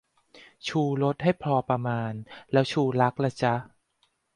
"ชูรส" ให้พอประมาณ แล้ว "ชูรัก" ล่ะจ๊ะ ?